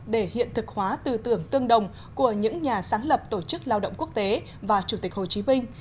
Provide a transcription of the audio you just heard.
để hiện thực hóa tư tưởng tương đồng của những nhà sáng lập tổ chức lao động quốc tế và chủ tịch hồ chí minh